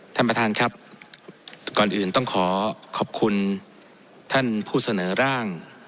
ท่านประธานครับก่อนอื่นต้องขอขอบคุณท่านผู้เสนอร่าง